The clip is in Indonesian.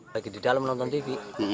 lagi di dalam nonton tv